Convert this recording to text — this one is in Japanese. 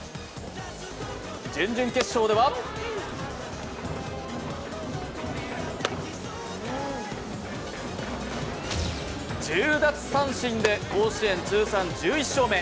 準々決勝では１０奪三振で甲子園通算１１勝目。